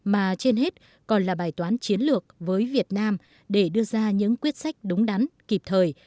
mà trên hết còn là bài toán chiến lược với việt nam để đưa ra những quyết sách đúng đắn kịp thời